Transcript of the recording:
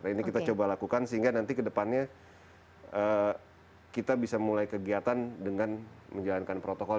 ini kita coba lakukan sehingga nanti ke depannya kita bisa mulai kegiatan dengan menjalankan protokol